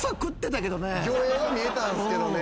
魚影は見えたんすけどね。